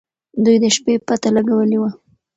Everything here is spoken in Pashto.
دوی د شپې پته لګولې وه.